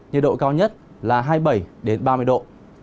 nhiệt độ cao nhất là hai mươi bảy ba mươi độ